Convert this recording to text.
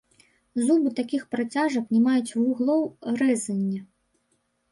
Зубы такіх працяжак не маюць вуглоў рэзання.